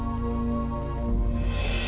kau jalan dulu ya